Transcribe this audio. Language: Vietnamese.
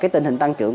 tình hình tăng trưởng